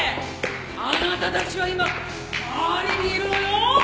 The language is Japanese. あなたたちは今パリにいるのよ！